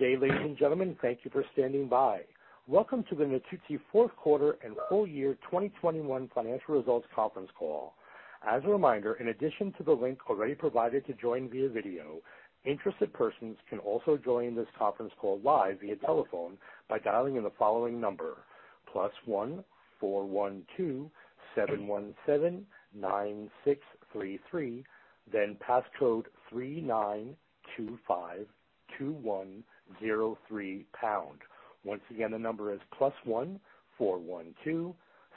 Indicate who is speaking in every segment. Speaker 1: Good day, ladies and gentlemen. Thank you for standing by. Welcome to the Natuzzi fourth quarter and full year 2021 financial results conference call. As a reminder, in addition to the link already provided to join via video, interested persons can also join this conference call live via telephone by dialing in the following number: +1 412 717 9633, then passcode 39252103#. Once again, the number is +1 412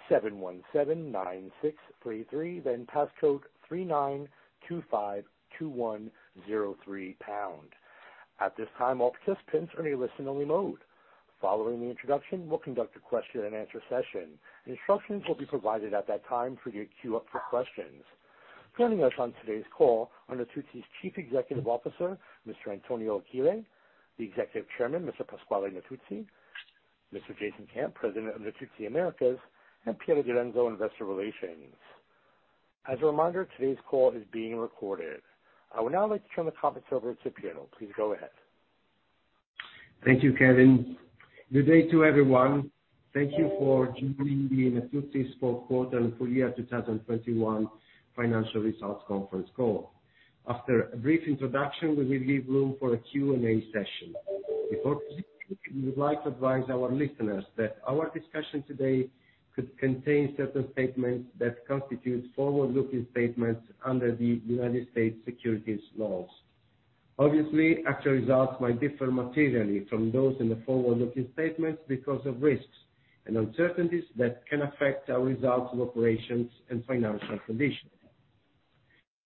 Speaker 1: 717 9633, then passcode 39252103#. At this time, all participants are in a listen only mode. Following the introduction, we'll conduct a question and answer session. Instructions will be provided at that time for you to queue up for questions. Joining us on today's call are Natuzzi's Chief Executive Officer, Mr. Antonio Achille, the Executive Chairman, Mr. Pasquale Natuzzi, Mr. Jason Camp, President of Natuzzi Americas and Piero Direnzo, Investor Relations. As a reminder, today's call is being recorded. I would now like to turn the conference over to Piero. Please go ahead.
Speaker 2: Thank you, Kevin. Good day to everyone. Thank you for joining the Natuzzi fourth quarter and full year 2021 financial results conference call. After a brief introduction, we will leave room for a Q&A session. Before, we would like to advise our listeners that our discussion today could contain certain statements that constitute forward-looking statements under the United States securities laws. Obviously, actual results might differ materially from those in the forward-looking statements because of risks and uncertainties that can affect our results of operations and financial conditions.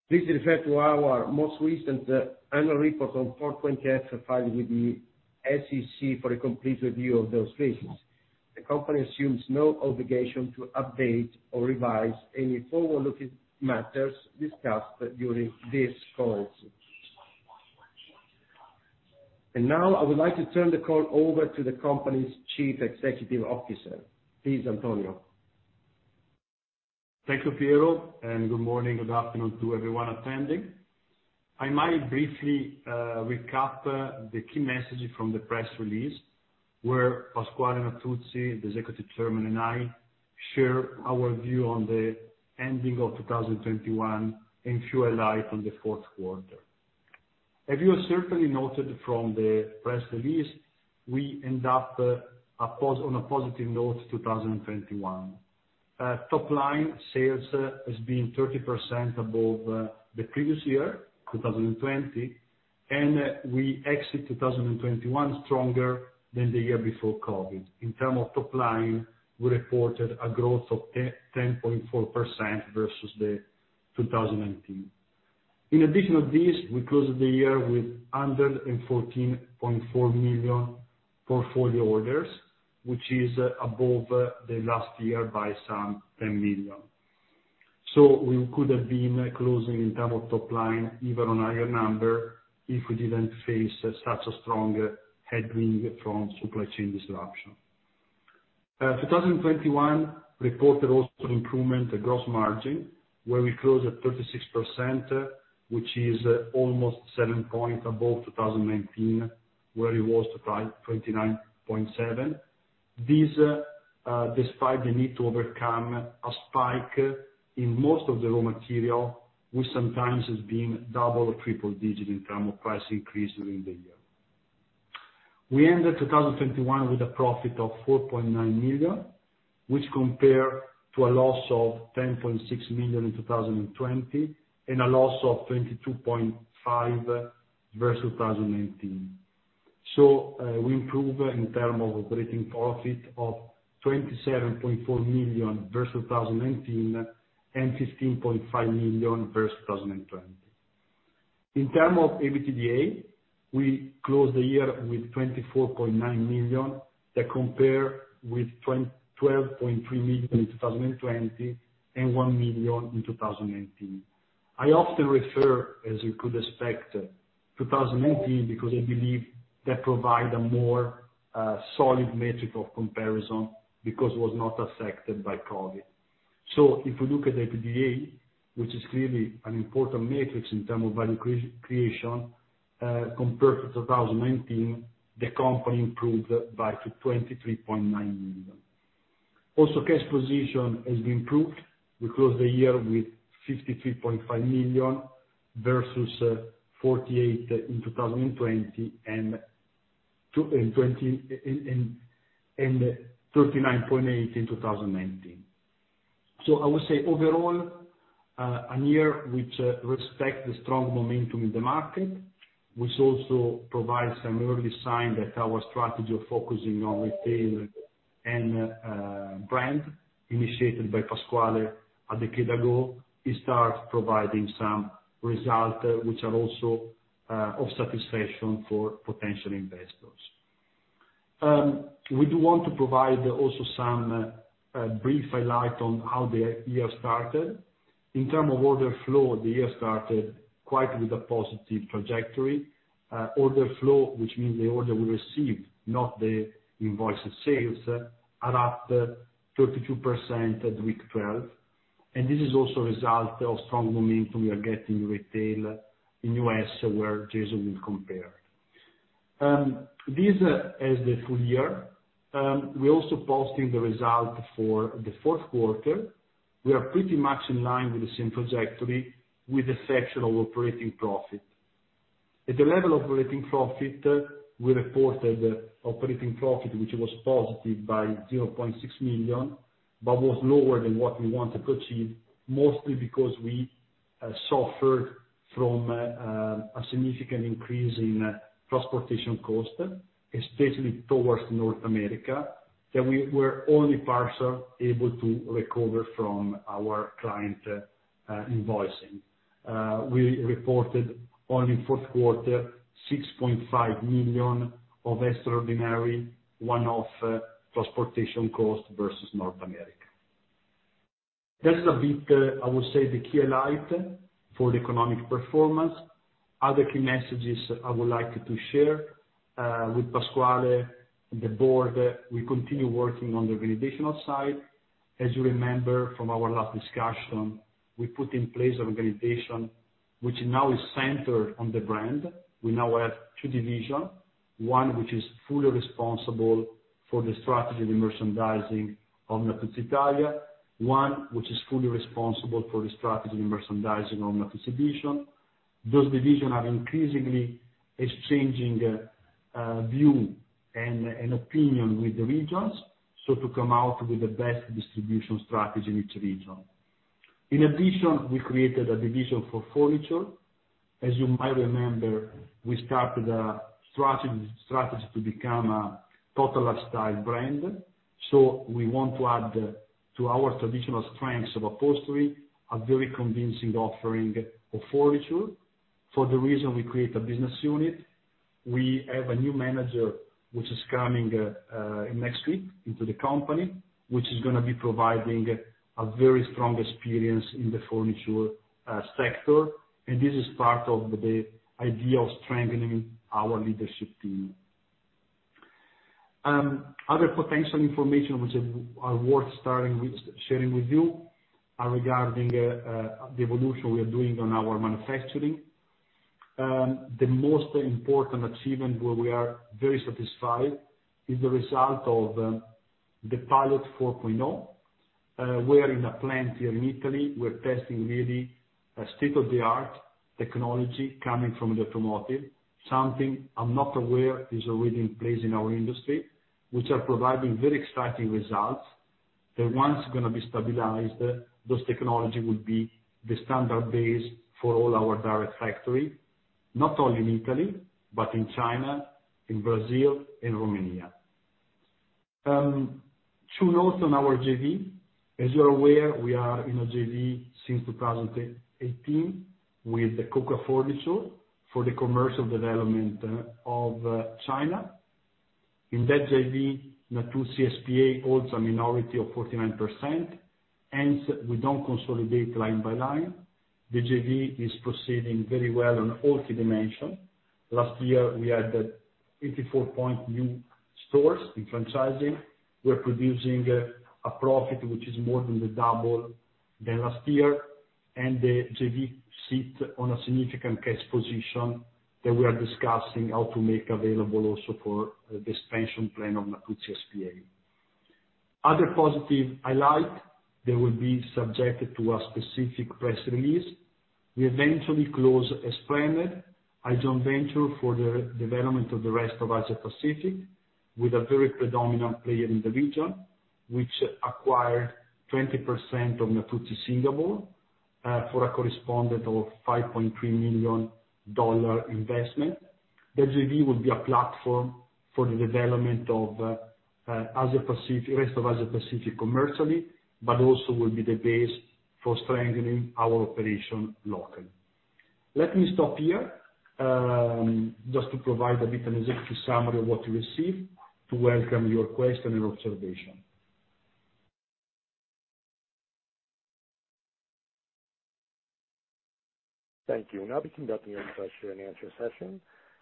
Speaker 2: Please refer to our most recent annual report on Form 20-F filed with the SEC for a complete review of those reasons. The company assumes no obligation to update or revise any forward-looking matters discussed during this call. Now, I would like to turn the call over to the company's Chief Executive Officer. Please, Antonio.
Speaker 3: Thank you, Piero and good morning, good afternoon to everyone attending. I might briefly recap the key message from the press release, where Pasquale Natuzzi, the Executive Chairman and I share our view on the ending of 2021 and shed a light on the fourth quarter. As you have certainly noted from the press release, we end up on a positive note 2021. Top line sales has been 30% above the previous year, 2020 and we exit 2021 stronger than the year before COVID. In terms of top line, we reported a growth of 10.4% versus 2019. In addition to this, we closed the year with 114.4 million portfolio orders, which is above the last year by some 10 million. We could have been closing in terms of top line even on a higher number if we didn't face such a strong headwind from supply chain disruption. 2021 reported also improvement in the gross margin, where we closed at 36%, which is almost 7 points above 2019, where it was 29.7%. This despite the need to overcome a spike in most of the raw material, which sometimes has been double- or triple-digit in terms of price increase during the year. We ended 2021 with a profit of 4.9 million, which compared to a loss of 10.6 million in 2020 and a loss of 22.5 million versus 2019. We improve in terms of operating profit of 27.4 million versus 2019 and 15.5 million versus 2020. In terms of EBITDA, we closed the year with 24.9 million, that compare with 12.3 million in 2020 and 1 million in 2019. I often refer, as you could expect, 2019 because I believe that provide a more solid metric of comparison because was not affected by COVID. If you look at EBITDA, which is clearly an important metric in terms of value creation, compared to 2019, the company improved by 23.9 million. Also, cash position has improved. We closed the year with 63.5 million versus 48 million in 2020 and 22 million in 2021 and 39.8 million in 2019. I would say overall, a year which respects the strong momentum in the market, which also provides some early signs that our strategy of focusing on retail and brand initiated by Pasquale a decade ago, he starts providing some results which are also of satisfaction for potential investors. We do want to provide also some brief highlights on how the year started. In terms of order flow, the year started quite with a positive trajectory. Order flow, which means the orders we received, not the invoice sales, is up 32% at week 12. This is also a result of strong momentum we are getting in retail in the U.S. where Jason will comment. As for the full year, we're also posting the results for the fourth quarter. We are pretty much in line with the same trajectory, with the exception of operating profit. At the level of operating profit, we reported operating profit, which was positive by 0.6 million but was lower than what we want to achieve, mostly because we suffered from a significant increase in transportation costs, especially towards North America, that we were only partially able to recover from our clients through invoicing. We reported in the fourth quarter 6.5 million of extraordinary one-off transportation costs to North America. That is a bit, I would say, the key highlight for the economic performance. Other key messages I would like to share with Pasquale and the board. We continue working on the organizational side. As you remember from our last discussion, we put in place an organization which now is centered on the brand. We now have two division, one which is fully responsible for the strategy and merchandising of Natuzzi Italia, one which is fully responsible for the strategy and merchandising of Natuzzi Editions. Those division are increasingly exchanging view and opinion with the regions, so to come out with the best distribution strategy in each region. In addition, we created a division for furniture. As you might remember, we started a strategy to become a total lifestyle brand. We want to add to our traditional strengths of upholstery, a very convincing offering of furniture. For that reason, we create a business unit. We have a new manager which is coming next week into the company, which is gonna be providing a very strong experience in the furniture sector. This is part of the idea of strengthening our leadership team. Other potential information which are worth sharing with you are regarding the evolution we are doing on our manufacturing. The most important achievement where we are very satisfied is the result of the Pilot 4.0, where in a plant here in Italy, we're testing really a state-of-the-art technology coming from the automotive. Something I'm not aware of is already in place in our industry, which are providing very exciting results. Those ones gonna be stabilized, those technology will be the standard base for all our direct factory, not only in Italy but in China, in Brazil, in Romania. Two notes on our JV. As you are aware, we are in a JV since 2018 with the Kuka Home for the commercial development of China. In that JV, Natuzzi S.p.A. holds a minority of 49%, hence we don't consolidate line by line. The JV is proceeding very well on all three dimensions. Last year, we had 84 new stores in franchising. We're producing a profit which is more than the double than last year and the JV sit on a significant cash position that we are discussing how to make available also for the expansion plan of Natuzzi S.p.A. Another positive highlight that will be the subject of a specific press release. We eventually closed as planned a joint venture for the development of the rest of Asia Pacific with a very predominant player in the region, which acquired 20% of Natuzzi Singapore for a corresponding $5.3 million investment. The JV will be a platform for the development of the rest of Asia Pacific commercially but also will be the base for strengthening our operation locally. Let me stop here just to provide a bit of executive summary of what you received to welcome your question and observation.
Speaker 1: Thank you. We'll now be conducting our question and answer session.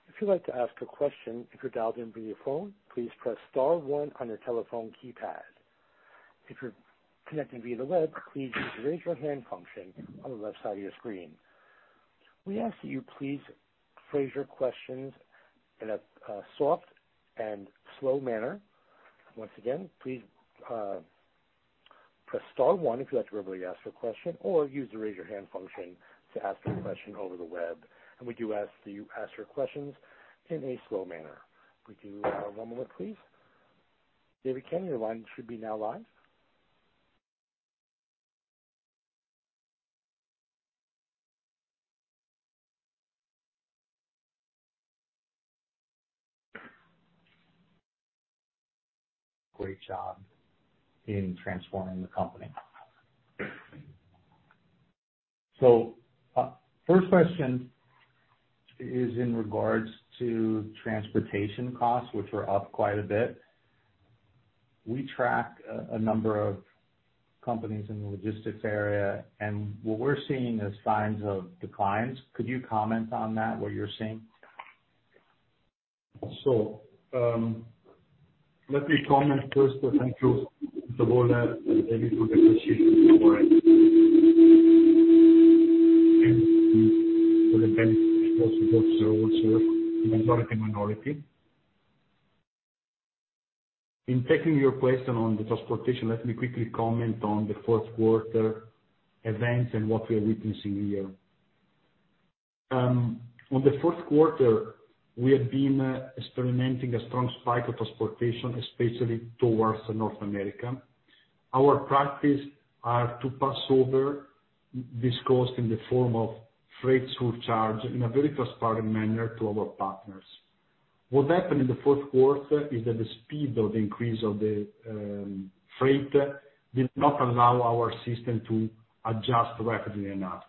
Speaker 1: If you'd like to ask a question, if you're dialed in via phone, please press star one on your telephone keypad. If you're connecting via the web, please use Raise Your Hand function on the left side of your screen. We ask that you please phrase your questions in a soft and slow manner. Once again, please press star one if you'd like to verbally ask your question or use the Raise Your Hand function to ask your question over the web. We do ask that you ask your questions in a slow manner. If we do have one moment please. David Kanen, your line should be now live.
Speaker 4: Great job in transforming the company. First question is in regards to transportation costs, which are up quite a bit. We track a number of companies in the logistics area and what we're seeing is signs of declines. Could you comment on that, what you're seeing?
Speaker 3: Let me comment first and thank you for that, very good appreciation for it. In taking your question on the transportation, let me quickly comment on the fourth quarter events and what we are witnessing here. On the fourth quarter, we have been experiencing a strong spike of transportation, especially towards North America. Our practice is to pass on this cost in the form of freight surcharge in a very transparent manner to our partners. What happened in the fourth quarter is that the speed of increase of the freight did not allow our system to adjust rapidly enough.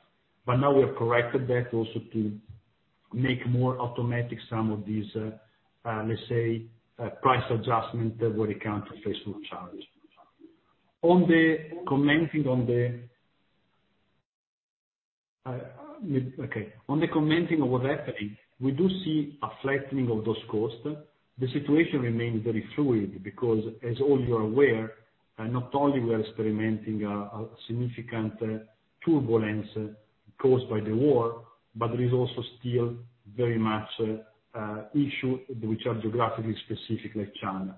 Speaker 3: Now we have corrected that also to make more automatic some of these, let's say, price adjustment that will account for freight surcharge. Commenting on what's happening, we do see a flattening of those costs. The situation remains very fluid because as all you are aware, not only we are experimenting a significant turbulence caused by the war but there is also still very much issue which are geographically specific like China.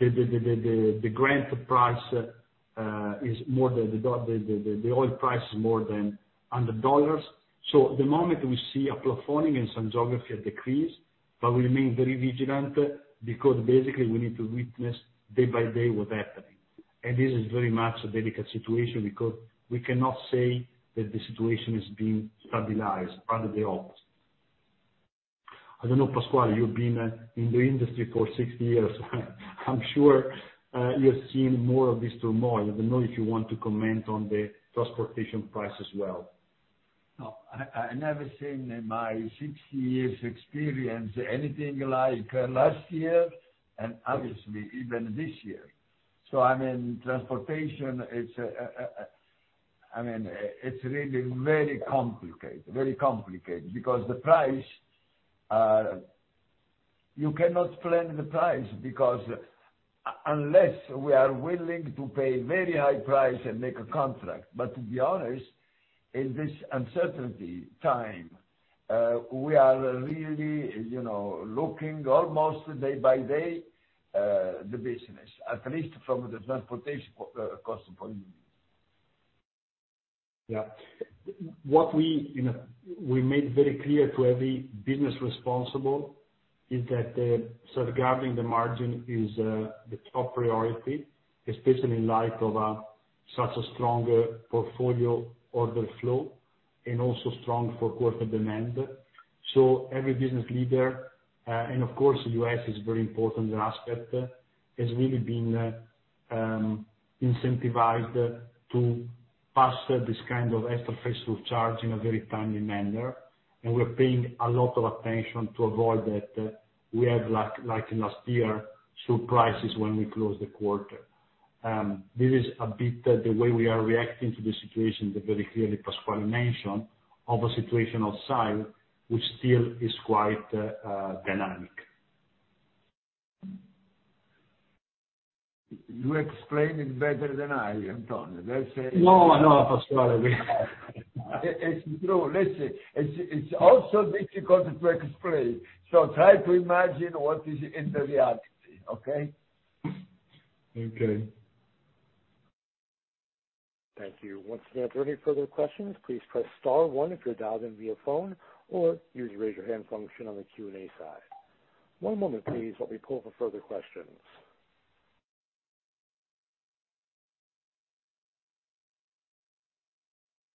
Speaker 3: The Brent price is more than the oil price is more than $100. So the moment we see a flattening in some geographies a decrease but we remain very vigilant because basically we need to witness day by day what's happening. This is very much a delicate situation because we cannot say that the situation is being stabilized rather the opposite. I don't know, Pasquale, you've been in the industry for 60 years. I'm sure, you've seen more of this tomorrow. I don't know if you want to comment on the transportation price as well.
Speaker 5: No, I never seen in my 60 years experience anything like last year and obviously even this year. I mean, transportation is, I mean, it's really very complicated because the price, you cannot plan the price because unless we are willing to pay very high price and make a contract. To be honest, in this uncertainty time, we are really, you know, looking almost day by day, the business, at least from the transportation cost point of view.
Speaker 3: Yeah. What we, you know, made very clear to every business responsible is that safeguarding the margin is the top priority, especially in light of such a strong portfolio order flow and also strong fourth quarter demand. Every business leader and of course, U.S. is very important aspect, has really been incentivized to pass this kind of extra freight surcharge in a very timely manner. We're paying a lot of attention to avoid that we have, like last year, surprises when we close the quarter. This is a bit the way we are reacting to the situation that very clearly Pasquale mentioned of a situation outside, which still is quite dynamic.
Speaker 5: You explain it better than I, Antonio. Let's say.
Speaker 3: No, no, Pasquale.
Speaker 5: It's true. Listen, it's also difficult to explain. Try to imagine what is in the reality. Okay?
Speaker 3: Okay.
Speaker 1: Thank you. Once again, for any further questions, please press star one if you're dialed in via phone or use raise your hand function on the Q&A side. One moment please while we poll for further questions.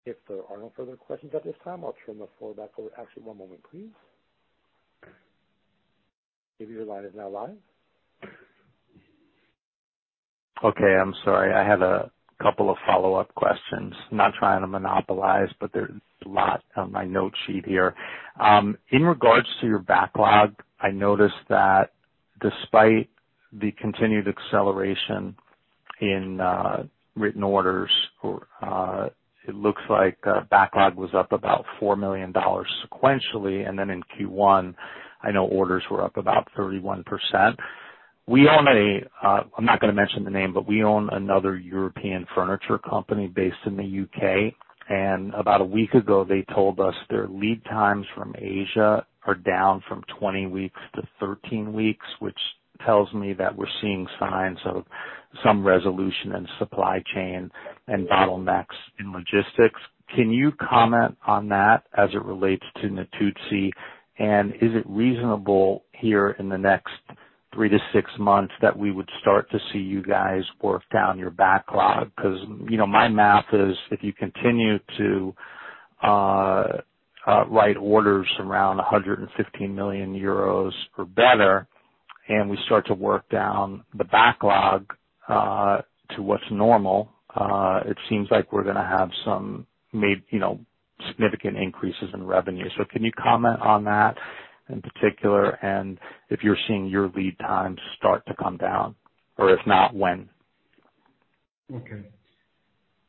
Speaker 1: If there are no further questions at this time, I'll turn the floor back over. Actually, one moment, please. David, your line is now live.
Speaker 4: Okay, I'm sorry. I had a couple of follow-up questions. Not trying to monopolize but there's a lot on my note sheet here. In regards to your backlog, I noticed that despite the continued acceleration in written orders or it looks like backlog was up about $4 million sequentially. Then in Q1, I know orders were up about 31%. We own a, I'm not gonna mention the name but we own another European furniture company based in the U.K. About a week ago, they told us their lead times from Asia are down from 20 weeks to 13 weeks, which tells me that we're seeing signs of some resolution in supply chain and bottlenecks in logistics. Can you comment on that as it relates to Natuzzi? Is it reasonable here in the next three-six months that we would start to see you guys work down your backlog? 'Cause, you know, my math is if you continue to write orders around 115 million euros or better and we start to work down the backlog to what's normal, it seems like we're gonna have some you know, significant increases in revenue. Can you comment on that in particular and if you're seeing your lead times start to come down or if not, when?
Speaker 3: Okay.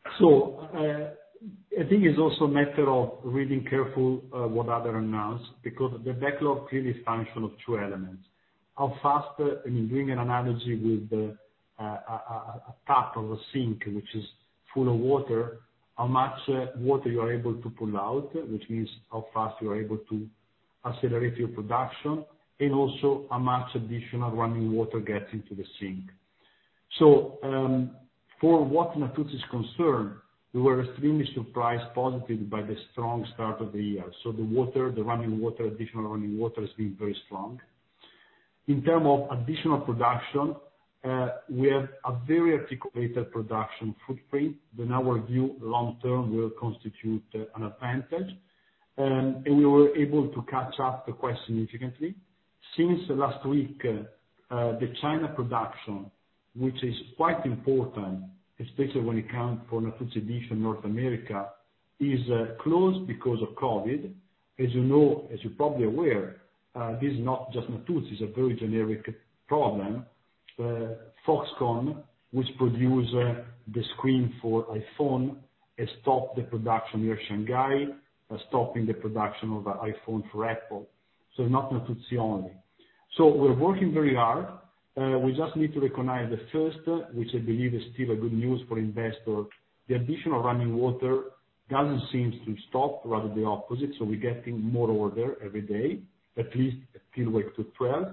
Speaker 3: I think it's also a matter of reading carefully what others announce, because the backlog clearly is a function of two elements. How fast, I mean, doing an analogy with a tap of a sink which is full of water, how much water you are able to pull out, which means how fast you are able to accelerate your production and also how much additional running water gets into the sink. As far as Natuzzi is concerned, we were extremely positively surprised by the strong start of the year. The water, the running water, additional running water has been very strong. In terms of additional production, we have a very articulated production footprint. In our view, long-term will constitute an advantage and we were able to catch up quite significantly. Since last week, the China production, which is quite important, especially when it comes to North America, is closed because of COVID. As you know, as you're probably aware, this is not just us, it's a very generic problem. Foxconn, which produces the screen for iPhone, has stopped the production near Shanghai, is stopping the production of iPhone for Apple. So not just us. We're working very hard. We just need to recognize that first, which I believe is still good news for investors, the additional orders don't seem to stop, rather the opposite, so we're getting more orders every day, at least till week 12.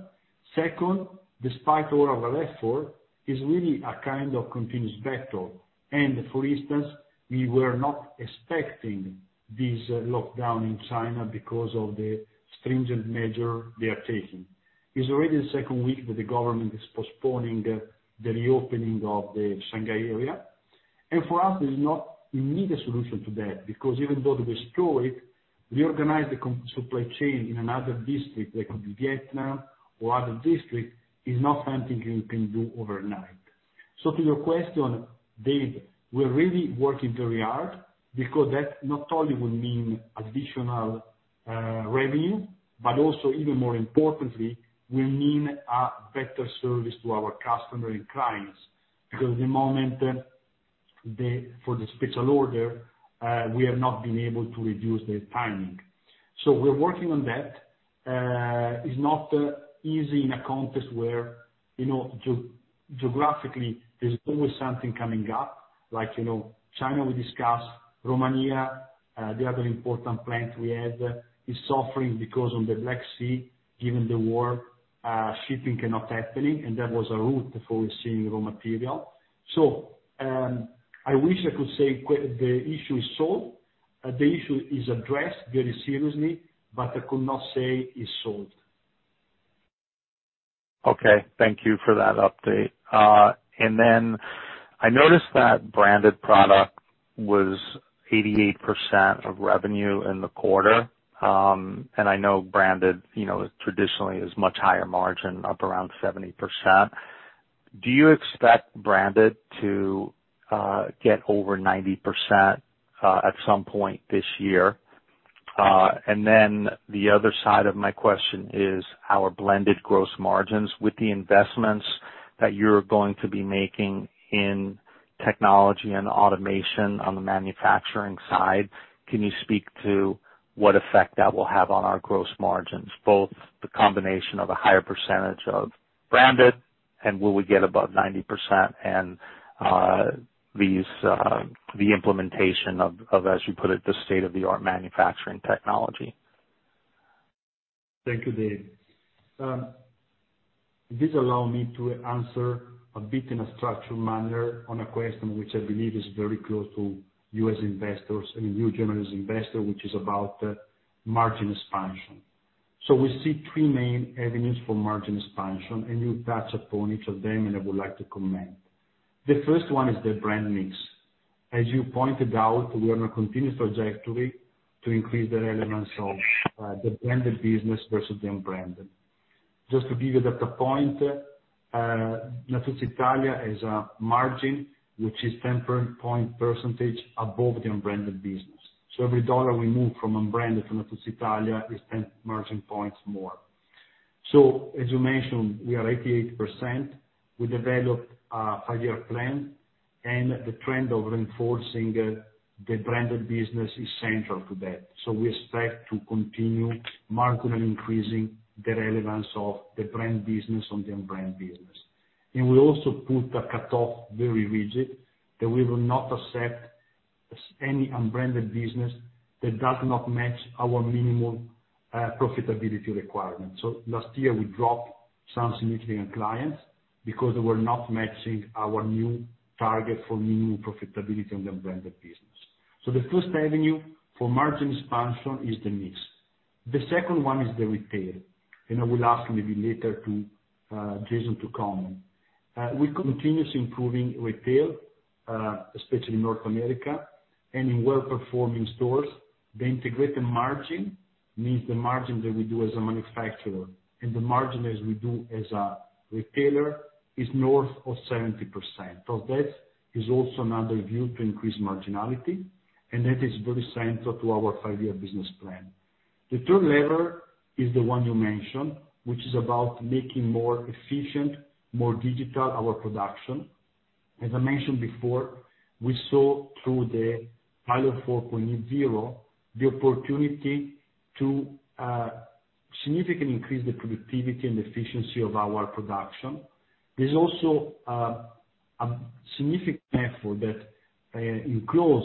Speaker 3: Second, despite all of our effort, it's really a kind of continuous battle. For instance, we were not expecting this lockdown in China because of the stringent measures they are taking. It's already the second week that the government is postponing the reopening of the Shanghai area. For us, there's no immediate solution to that because even though they restore it, reorganize the supply chain in another district, like could be Vietnam or other district, is not something you can do overnight. To your question, Dave, we're really working very hard because that not only will mean additional revenue but also even more importantly, will mean a better service to our customer and clients. Because the moment, the, for the special order, we have not been able to reduce the timing. We're working on that. It's not easy in a context where, you know, geographically there's always something coming up, like, you know, China we discussed, Romania, the other important plant we have is suffering because on the Black Sea, given the war, shipping cannot happen and that was a route for receiving raw material. I wish I could say the issue is solved. The issue is addressed very seriously but I could not say it's solved.
Speaker 4: Okay. Thank you for that update. I noticed that branded product was 88% of revenue in the quarter. I know branded, you know, traditionally is much higher margin, up around 70%. Do you expect branded to get over 90% at some point this year? The other side of my question is how are blended gross margins with the investments that you're going to be making in technology and automation on the manufacturing side. Can you speak to what effect that will have on our gross margins, both the combination of a higher percentage of branded and will we get above 90% and the implementation of, as you put it, the state-of-the-art manufacturing technology?
Speaker 3: Thank you, Dave. This allows me to answer a bit in a structured manner on a question which I believe is very close to you as investors and you generally as investors, which is about margin expansion. We see three main avenues for margin expansion and you touch upon each of them and I would like to comment. The first one is the brand mix. As you pointed out, we are on a continuous trajectory to increase the relevance of the branded business versus the unbranded. Just to give you that point, Natuzzi Italia is a margin which is 10 percentage points above the unbranded business. Every dollar we move from unbranded to Natuzzi Italia is 10 margin points more. As you mentioned, we are 88%. We developed a five-year plan and the trend of reinforcing the branded business is central to that. We expect to continue marginally increasing the relevance of the branded business over the unbranded business. We also put a very rigid cutoff that we will not accept any unbranded business that does not match our minimum profitability requirements. Last year, we dropped some significant clients because they were not matching our new target for profitability on the unbranded business. The first avenue for margin expansion is the mix. The second one is the retail. I will ask maybe later to Jason to comment. We're continuously improving retail, especially in North America and in well-performing stores. The integrated margin means the margin that we do as a manufacturer and the margin as we do as a retailer is north of 70%. That is also another view to increase marginality and that is very central to our five-year business plan. The third lever is the one you mentioned, which is about making more efficient, more digital our production. As I mentioned before, we saw through the Pilot 4.0 the opportunity to significantly increase the productivity and efficiency of our production. There's also a significant effort that in close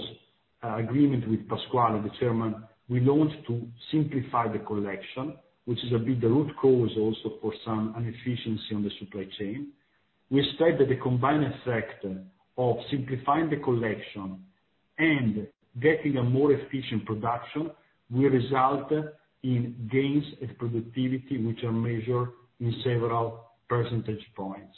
Speaker 3: agreement with Pasquale, the chairman, we want to simplify the collection, which is a bit the root cause also for some inefficiency on the supply chain. We expect that the combined effect of simplifying the collection and getting a more efficient production will result in gains in productivity, which are measured in several percentage points.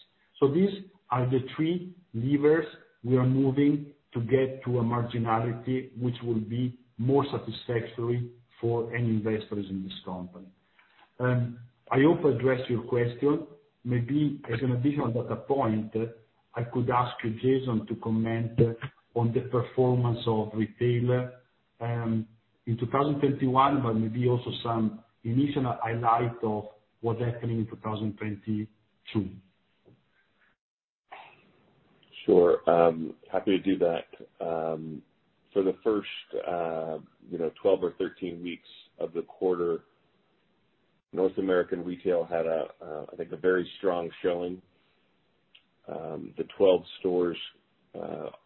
Speaker 3: These are the three levers we are moving to get to a marginality, which will be more satisfactory for any investors in this company. I hope I addressed your question. Maybe as an additional data point, I could ask you, Jason, to comment on the performance of retail in 2021 but maybe also some initial highlight of what's happening in 2022.
Speaker 6: Sure. Happy to do that. For the first, you know, 12 or 13 weeks of the quarter, North American Retail had, I think, a very strong showing. The 12 stores,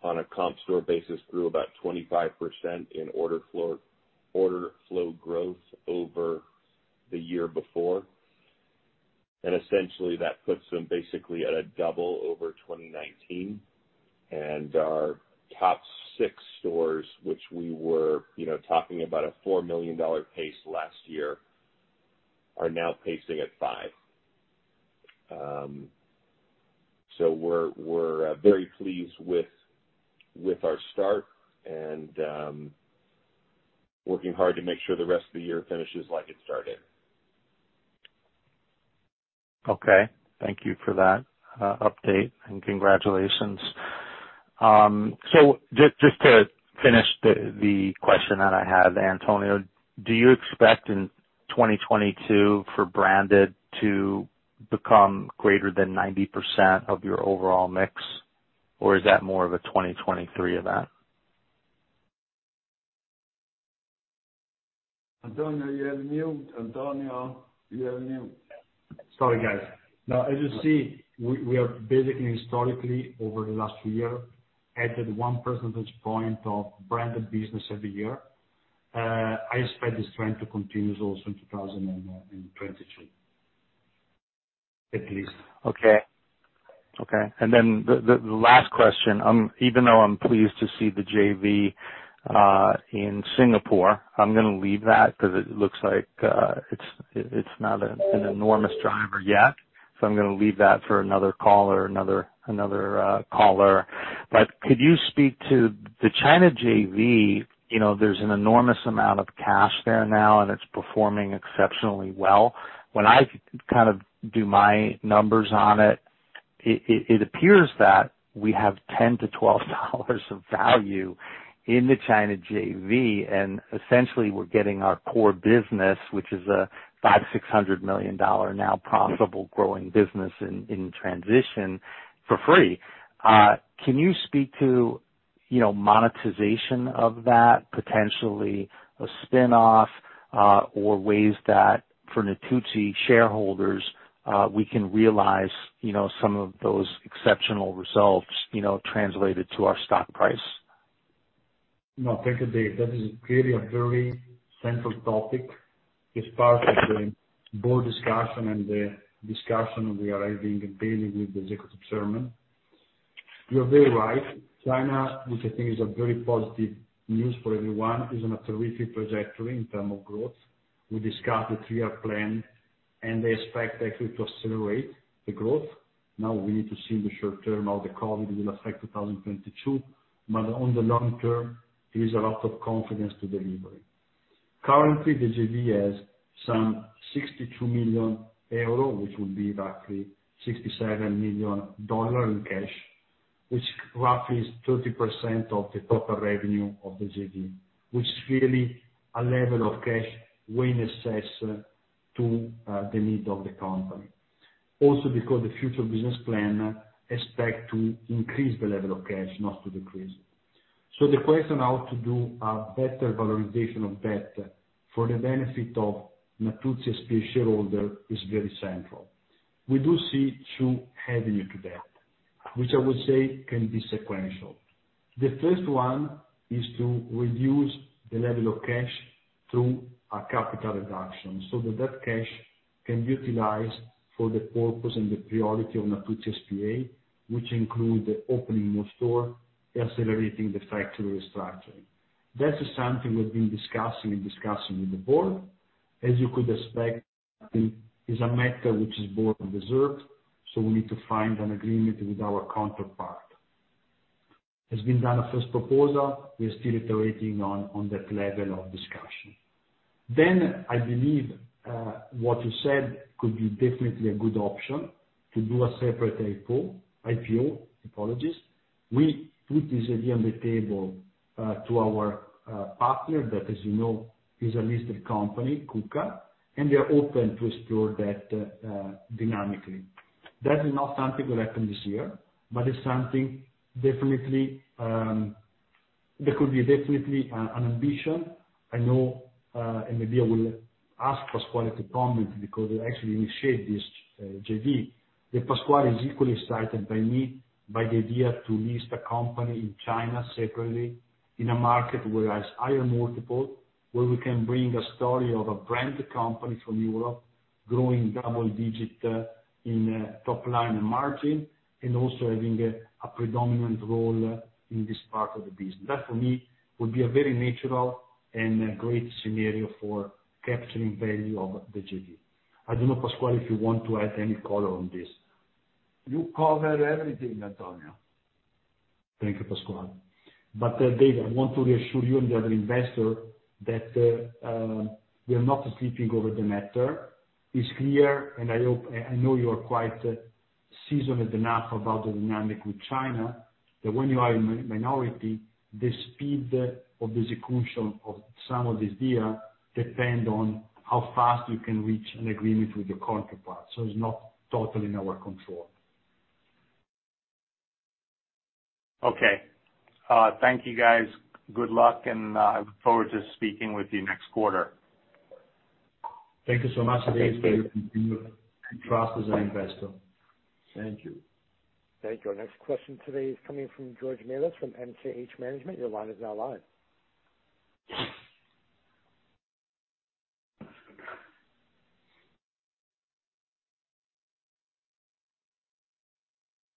Speaker 6: on a comp store basis, grew about 25% in order flow growth over the year before. Essentially, that puts them basically at a double over 2019. Our top six stores, which we were, you know, talking about a $4 million pace last year, are now pacing at $5 million. We're very pleased with our start and working hard to make sure the rest of the year finishes like it started.
Speaker 4: Okay. Thank you for that, update and congratulations. Just to finish the question that I have, Antonio, do you expect in 2022 for branded to become greater than 90% of your overall mix or is that more of a 2023 event?
Speaker 5: Antonio, you're on mute. Antonio, you're on mute.
Speaker 3: Sorry, guys. Now, as you see, we are basically, historically, over the last few years, added 1 percentage point of branded business every year. I expect this trend to continue also in 2022, at least.
Speaker 4: Okay. Okay. Then the last question. Even though I'm pleased to see the JV in Singapore, I'm gonna leave that because it looks like it's not an enormous driver yet, so I'm gonna leave that for another caller. Could you speak to the China JV? You know, there's an enormous amount of cash there now and it's performing exceptionally well. When I kind of do my numbers on it appears that we have $10-$12 of value in the China JV and essentially we're getting our core business, which is a $500-$600 million now profitable growing business in transition for free. Can you speak to, you know, monetization of that, potentially a spinoff or ways that for Natuzzi shareholders, we can realize, you know, some of those exceptional results, you know, translated to our stock price?
Speaker 3: No, thank you, Dave. That is clearly a very central topic as part of the board discussion and the discussion we are having daily with the Executive Chairman. You're very right. China, which I think is a very positive news for everyone, is on a terrific trajectory in terms of growth. We discussed the three-year plan and they expect actually to accelerate the growth. Now we need to see in the short term how the COVID will affect 2022 but on the long term there is a lot of confidence to deliver it. Currently, the JV has some 62 million euro, which will be roughly $67 million in cash, which roughly is 30% of the total revenue of the JV, which is really a level of cash we assess to the need of the company. Also, because the future business plan expect to increase the level of cash, not to decrease. The question how to do a better valorization of debt for the benefit of Natuzzi S.p.A. shareholder is very central. We do see two avenue to that, which I would say can be sequential. The first one is to reduce the level of cash through a capital reduction so that cash can utilize for the purpose and the priority of Natuzzi S.p.A., which include the opening of store, accelerating the factory restructuring. That is something we've been discussing and discussing with the board. As you could expect, it's a matter which is board reserved, so we need to find an agreement with our counterpart. It's been done a first proposal. We're still iterating on that level of discussion. I believe what you said could be definitely a good option to do a separate IPO, apologies. We put this idea on the table to our partner that, as you know, is a listed company, KUKA and we are open to explore that dynamically. That is not something will happen this year but it's something that could be definitely an ambition. I know and maybe I will ask Pasquale to comment because he actually initiate this JV, that Pasquale is equally excited by me by the idea to list a company in China separately in a market where has higher multiple, where we can bring a story of a brand company from Europe growing double digit in top line and margin and also having a predominant role in this part of the business. That, for me, would be a very natural and a great scenario for capturing value of the JV. I don't know, Pasquale, if you want to add any color on this.
Speaker 5: You covered everything, Antonio.
Speaker 3: Thank you, Pasquale. Dave, I want to reassure you and the other investor that we are not sleeping over the matter. It's clear and I hope I know you are quite seasoned enough about the dynamic with China, that when you are in minority, the speed of the execution of some of this deal depend on how fast you can reach an agreement with your counterpart. It's not totally in our control.
Speaker 4: Okay. Thank you guys. Good luck and I look forward to speaking with you next quarter.
Speaker 3: Thank you so much, Dave, for your continued trust as an investor.
Speaker 5: Thank you.
Speaker 1: Thank you. Our next question today is coming from George Melas-Kyriazi from MKH Management. Your line is now live.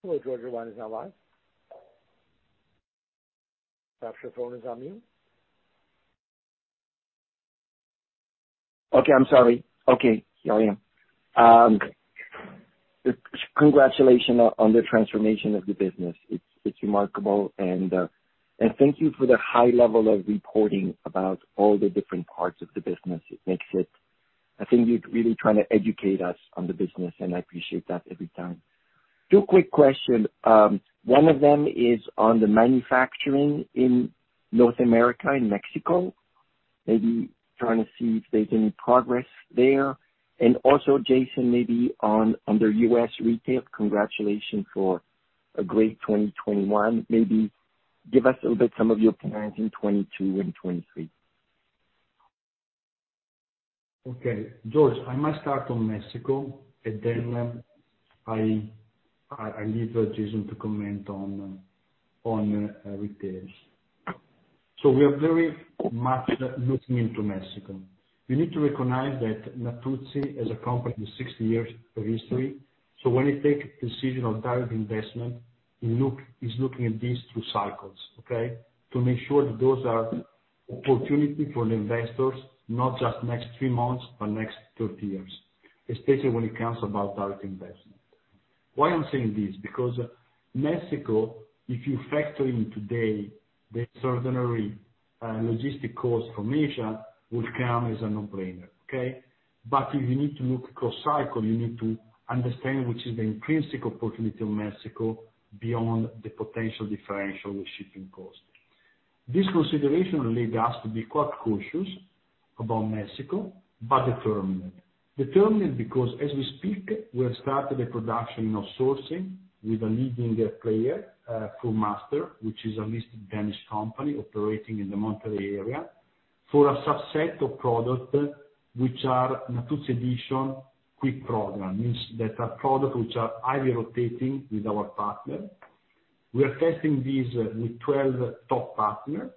Speaker 1: Hello, George. Your line is now live. Perhaps your phone is on mute.
Speaker 7: Just congratulations on the transformation of the business. It's remarkable and thank you for the high level of reporting about all the different parts of the business. It makes it I think you're really trying to educate us on the business and I appreciate that every time. Two quick questions. One of them is on the manufacturing in North America, in Mexico. Maybe trying to see if there's any progress there. Also Jason, maybe on the U.S. retail, congratulations for a great 2021. Maybe give us a little bit some of your plans in 2022 and 2023.
Speaker 3: George, I must start on Mexico and then I leave Jason to comment on retail. We are very much looking into Mexico. We need to recognize that Natuzzi as a company with 60 years of history, so when you take decision of direct investment, you look. It's looking at these two cycles, okay? To make sure that those are opportunity for the investors, not just next three months but next 30 years, especially when it comes about direct investment. Why I'm saying this? Because Mexico, if you factor in today the extraordinary logistics costs from Asia, would come as a no-brainer, okay? But if you need to look across cycles, you need to understand which is the intrinsic opportunity of Mexico beyond the potential differential with shipping costs. This consideration leads us to be quite cautious about Mexico but determined. Determined because as we speak, we have started a production of sourcing with a leading player, FurnMaster, which is a listed Danish company operating in the Monterrey area, for a subset of product which are Natuzzi Editions quick program, means that are product which are highly rotating with our partner. We are testing these with 12 top partner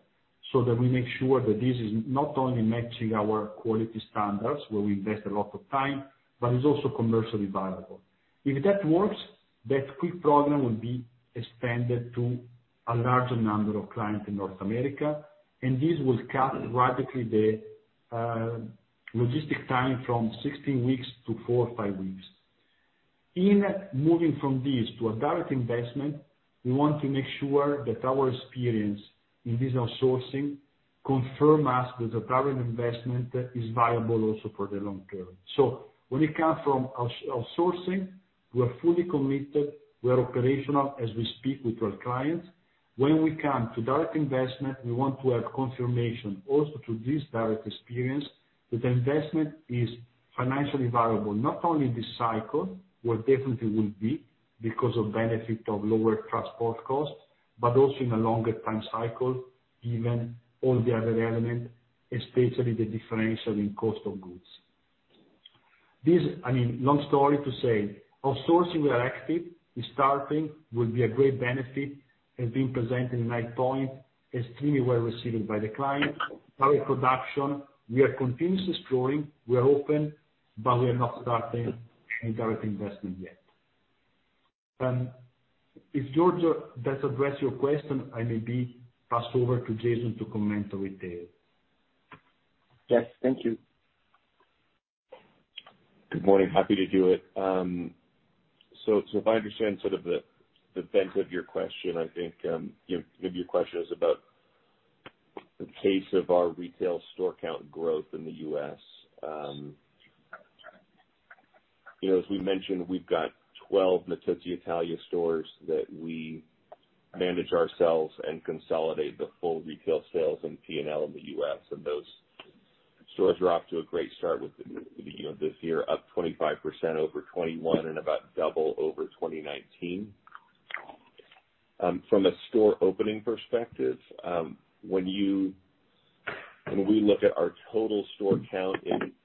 Speaker 3: so that we make sure that this is not only matching our quality standards, where we invest a lot of time but is also commercially viable. If that works, that quick program will be expanded to a larger number of clients in North America and this will cut radically the logistic time from 16 weeks to four or five weeks. In moving from this to a direct investment, we want to make sure that our experience in this outsourcing confirm us that the direct investment is viable also for the long term. When it comes from outsourcing, we are fully committed, we are operational as we speak with our clients. When we come to direct investment, we want to have confirmation also through this direct experience that the investment is financially viable, not only this cycle, where definitely will be because of benefit of lower transport costs but also in a longer time cycle, given all the other element, especially the differential in cost of goods. This, I mean, long story to say, outsourcing we are active, we're starting, will be a great benefit, as being presented in my point, extremely well received by the client. Our production, we are continuously growing, we are open but we have not started any direct investment yet. If, George, that addresses your question, I may pass over to Jason to comment on retail.
Speaker 7: Yes. Thank you.
Speaker 6: Good morning. Happy to do it. If I understand sort of the bent of your question, I think maybe your question is about the pace of our retail store count growth in the U.S. You know, as we mentioned, we've got 12 Natuzzi Italia stores that we manage ourselves and consolidate the full retail sales and P&L in the U.S. and those stores are off to a great start with you know, this year, up 25% over 2021 and about double over 2019. From a store opening perspective, when we look at our total store count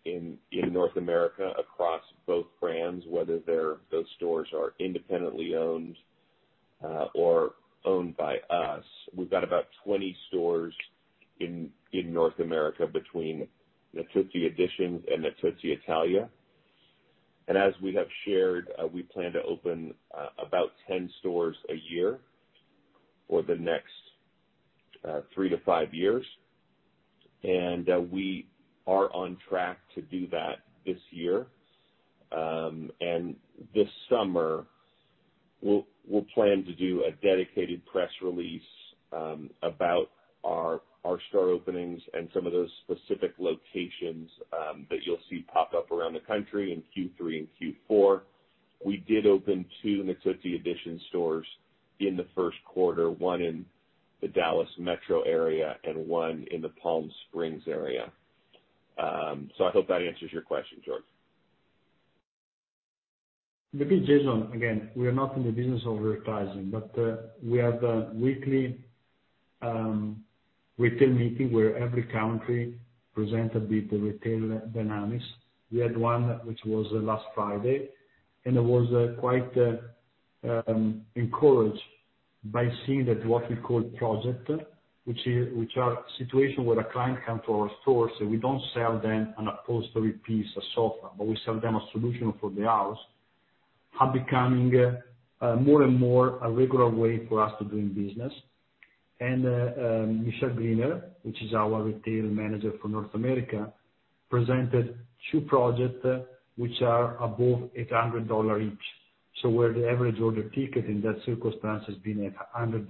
Speaker 6: in North America across both brands, whether they're independently owned or owned by us, we've got about 20 stores in North America between Natuzzi Editions and Natuzzi Italia. As we have shared, we plan to open about 10 stores a year for the next three-five years. We are on track to do that this year. This summer, we'll plan to do a dedicated press release about our store openings and some of those specific locations that you'll see pop up around the country in Q3 and Q4. We did open 2 Natuzzi Editions stores in the first quarter, one in the Dallas Metro area and one in the Palm Springs area. I hope that answers your question, George.
Speaker 3: Maybe Jason, again, we are not in the business of advertising but we have a weekly retail meeting where every country presents a bit the retail dynamics. We had one which was last Friday and it was quite encouraged by seeing that what we call projects, which are situations where a client comes to our stores, so we don't sell them an upholstery piece, a sofa but we sell them a solution for the house, are becoming more and more a regular way for us to doing business. Michelle Greener, which is our retail manager for North America, presented two projects which are above $800 each. Where the average order ticket in that circumstance has been at $100.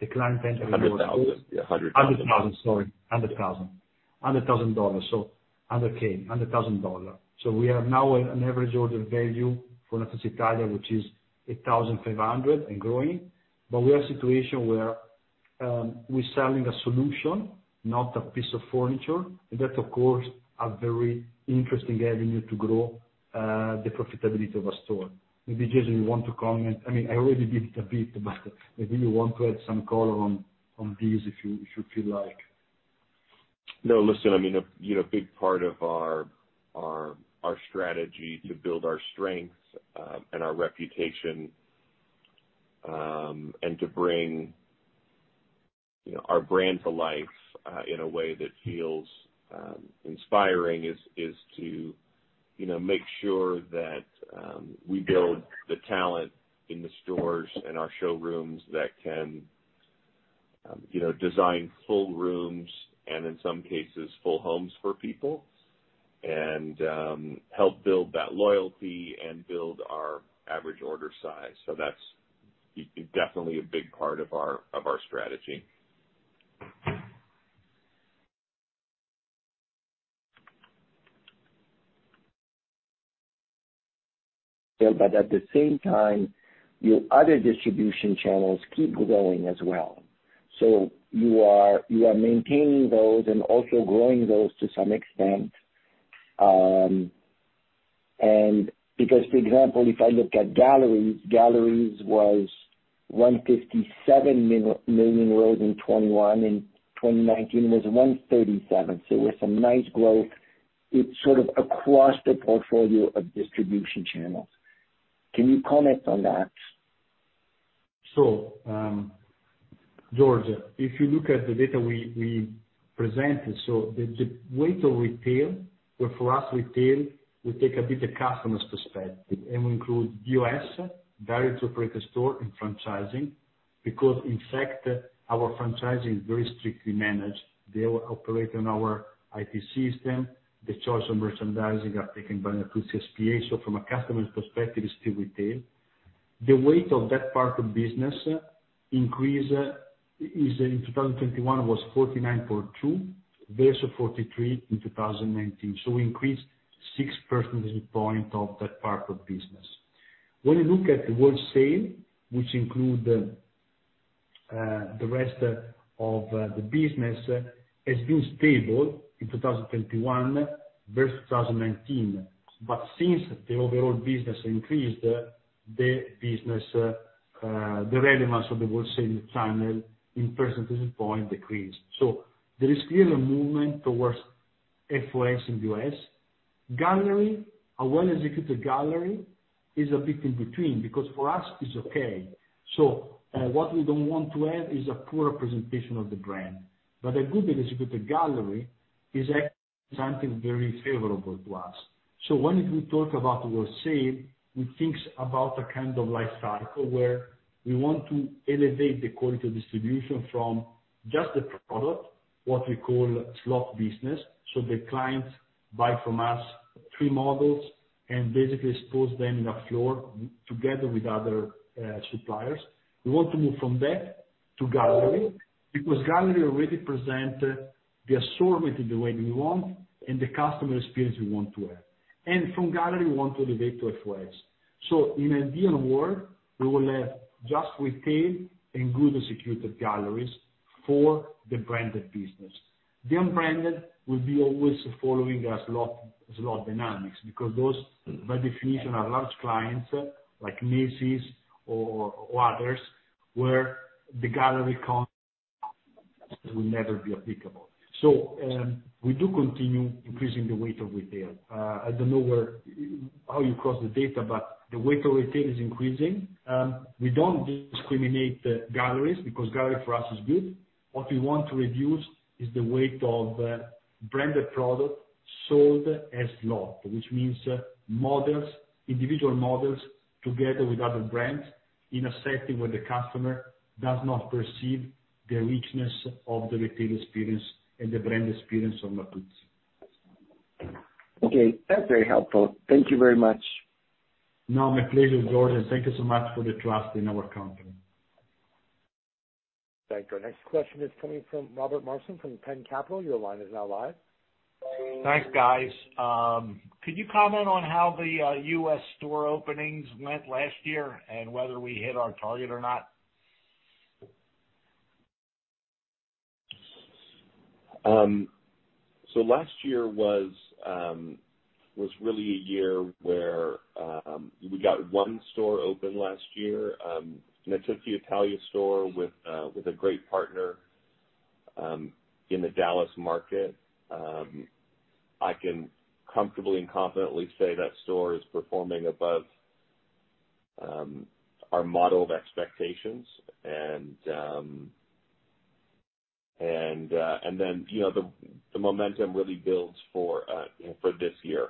Speaker 3: The client entry was.
Speaker 6: $100,000. Yeah, $100,000.
Speaker 3: $100,000, sorry. $100,000 dollars, so $100k. We have now an average order value for Natuzzi Italia, which is 8,500 and growing. We have a situation where we're selling a solution, not a piece of furniture. That, of course, is a very interesting avenue to grow the profitability of a store. Maybe, Jason, you want to comment? I mean, I already did a bit but maybe you want to add some color on these if you feel like.
Speaker 6: No, listen, I mean, you know, a big part of our strategy to build our strengths and our reputation and to bring, you know, our brand to life in a way that feels inspiring is to, you know, make sure that we build the talent in the stores and our showrooms that can, you know, design full rooms and in some cases full homes for people, help build that loyalty and build our average order size. That's definitely a big part of our strategy.
Speaker 7: At the same time, your other distribution channels keep growing as well. You are maintaining those and also growing those to some extent. Because for example, if I look at galleries was 157 million in 2021. In 2019, it was 137 million. It was some nice growth. It's sort of across the portfolio of distribution channels. Can you comment on that?
Speaker 3: George, if you look at the data we presented, the weight of retail, where for us retail, we take a bit of customer's perspective and we include the value to operate a store in franchising because in fact, our franchising is very strictly managed. They will operate on our IT system. The choices of merchandising are taken by Natuzzi S.p.A., so from a customer's perspective, it's still retail. The weight of that part of business increased is in 2021 was 49.2% versus 43% in 2019. We increased six percentage points of that part of business. When you look at the wholesale, which includes the rest of the business, has been stable in 2021 versus 2019. Since the overall business increased, the relevance of the wholesale channel in percentage points decreased. There is clearly a movement towards FOS in the U.S. A gallery, a well-executed gallery is a bit in between because for us it's okay. What we don't want to have is a poor representation of the brand. A well-executed gallery is very favorable to us. When we talk about wholesale, we think about a kind of life cycle where we want to elevate the quality of distribution from just the product, what we call slot business. The clients buy from us three models and basically store them on the floor together with other suppliers. We want to move from that to gallery, because gallery already presents the assortment in the way we want and the customer experience we want to have. From gallery, we want to elevate to FOS. In an ideal world, we will have just retail and good and secured galleries for the branded business. The unbranded will be always following as lot dynamics because those, by definition, are large clients like Macy's or others, where the gallery will never be applicable. We do continue increasing the weight of retail. I don't know how you cross the data but the weight of retail is increasing. We don't discriminate galleries because gallery for us is good. What we want to reduce is the weight of branded product sold as lot, which means models, individual models together with other brands in a setting where the customer does not perceive the richness of the retail experience and the brand experience of Natuzzi.
Speaker 7: Okay, that's very helpful. Thank you very much.
Speaker 3: No, my pleasure, George and thank you so much for the trust in our company.
Speaker 1: Thank you. Our next question is coming from Robert Marcin from Penn Capital. Your line is now live.
Speaker 8: Thanks, guys. Could you comment on how the U.S. store openings went last year and whether we hit our target or not?
Speaker 6: Last year was really a year where we got one store open last year and it was the Natuzzi Italia store with a great partner in the Dallas market. I can comfortably and confidently say that store is performing above our model of expectations. Then, you know, the momentum really builds for, you know, for this year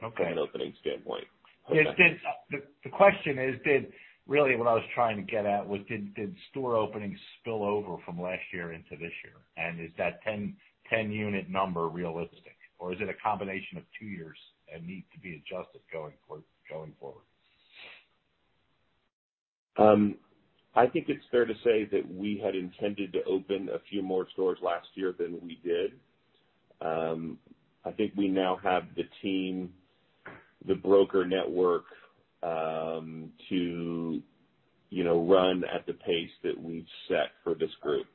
Speaker 6: from an opening standpoint.
Speaker 8: Yeah. The question is, really what I was trying to get at was, did store openings spill over from last year into this year? Is that 10-unit number realistic or is it a combination of two years and needs to be adjusted going forward?
Speaker 6: I think it's fair to say that we had intended to open a few more stores last year than we did. I think we now have the team, the broker network, to, you know, run at the pace that we've set for this group.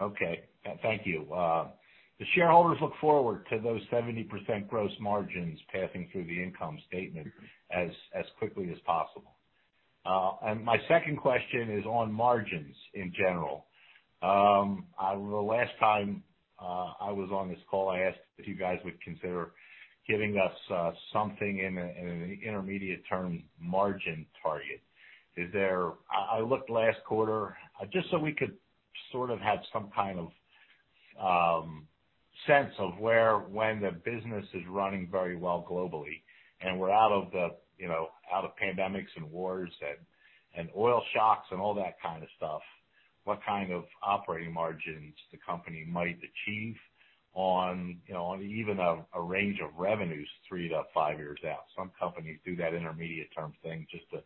Speaker 8: Okay. Thank you. The shareholders look forward to those 70% gross margins passing through the income statement as quickly as possible. My second question is on margins in general. The last time I was on this call, I asked if you guys would consider giving us something in an intermediate term margin target. I looked last quarter just so we could sort of have some kind of sense of where when the business is running very well globally and we're out of the you know, out of pandemics and wars and oil shocks and all that kind of stuff, what kind of operating margins the company might achieve on you know, on even a range of revenues three-five years out. Some companies do that intermediate term thing just to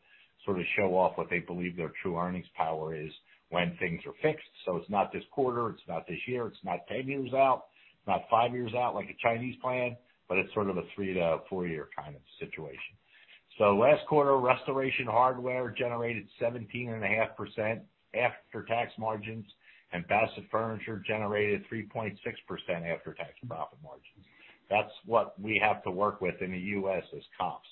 Speaker 8: sort of show off what they believe their true earnings power is when things are fixed. It's not this quarter, it's not this year, it's not 10 years out, it's not five years out like a Chinese plan but it's sort of a three-four year kind of situation. Last quarter, Restoration Hardware generated 17.5% after-tax margins and Bassett Furniture generated 3.6% after-tax profit margins. That's what we have to work with in the U.S. as comps.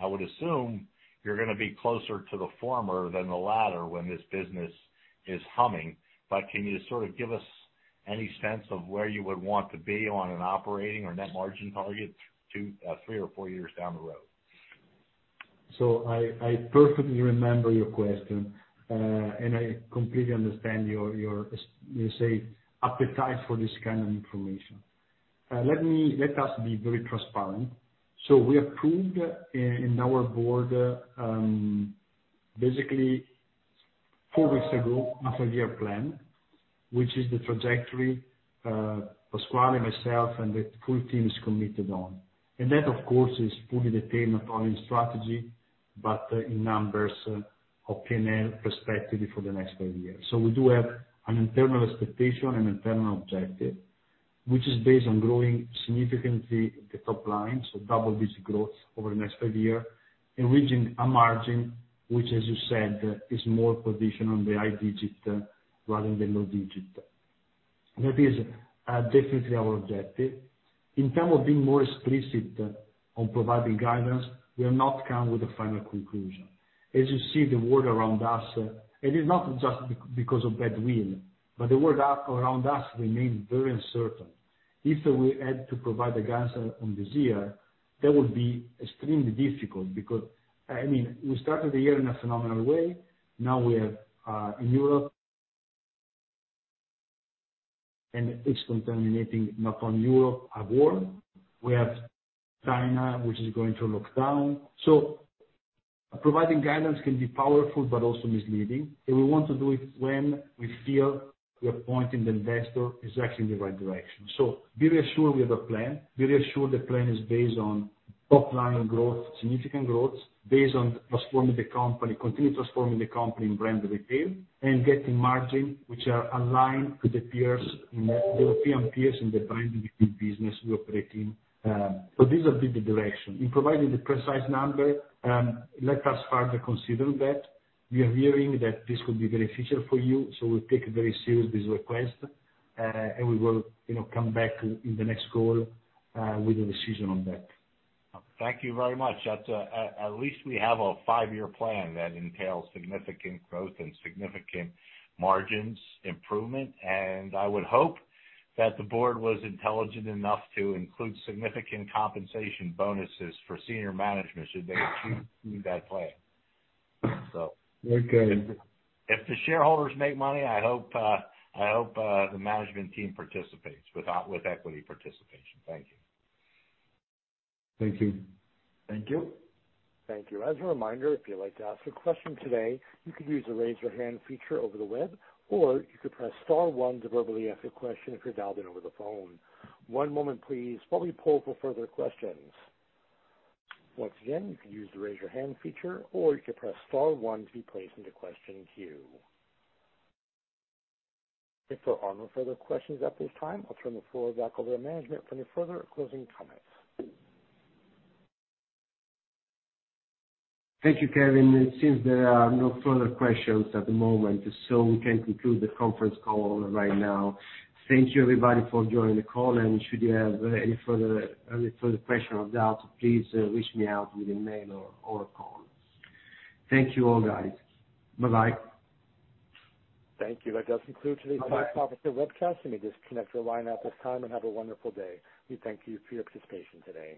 Speaker 8: I would assume you're gonna be closer to the former than the latter when this business is humming. Can you sort of give us any sense of where you would want to be on an operating or net margin target two, three or four years down the road?
Speaker 3: I perfectly remember your question and I completely understand your appetite for this kind of information. Let us be very transparent. We approved in our board basically four weeks ago, a five-year plan, which is the trajectory, Pasquale, myself and the full team is committed on. That, of course, is fully the theme of our strategy but in numbers of P&L perspective for the next five years. We do have an internal expectation and internal objective, which is based on growing significantly the top line, so double digit growth over the next five year and reaching a margin, which as you said, is more positioned on the high digit rather than the low digit. That is definitely our objective. In terms of being more explicit on providing guidance, we have not come with a final conclusion. As you see the world around us, it is not just because of bad will but the world around us remains very uncertain. If we had to provide a guidance on this year, that would be extremely difficult because, I mean, we started the year in a phenomenal way. Now we have in Europe and it's contaminating not only Europe at war. We have China, which is going to lockdown. So providing guidance can be powerful but also misleading and we want to do it when we feel we are pointing the investor exactly in the right direction. So be reassured we have a plan. Be reassured the plan is based on top line growth, significant growth based on transforming the company, continue transforming the company in brand retail and getting margins which are aligned with the peers in the European peers in the brand retail business we operate in. So these are the direction. In providing the precise number, let us further consider that. We are hearing that this could be beneficial for you, so we take this request very seriously and we will, you know, come back in the next call with a decision on that.
Speaker 8: Thank you very much. That's at least we have a five-year plan that entails significant growth and significant margins improvement. I would hope that the board was intelligent enough to include significant compensation bonuses for senior management should they achieve that plan.
Speaker 3: Very good.
Speaker 8: If the shareholders make money, I hope the management team participates with equity participation. Thank you.
Speaker 3: Thank you.
Speaker 5: Thank you.
Speaker 1: Thank you. As a reminder, if you'd like to ask a question today, you could use the Raise Your Hand feature over the web or you could press star one to verbally ask a question if you're dialed in over the phone. One moment please while we poll for further questions. Once again, you can use the Raise Your Hand feature or you can press star one to be placed into question queue. If there are no further questions at this time, I'll turn the floor back over to management for any further closing comments.
Speaker 3: Thank you, Kevin. It seems there are no further questions at the moment, so we can conclude the conference call right now. Thank you everybody for joining the call and should you have any further question or doubt, please reach me out with an email or a call. Thank you all, guys. Bye-bye.
Speaker 1: Thank you. That does conclude today's conference and webcast. You may disconnect your line at this time and have a wonderful day. We thank you for your participation today.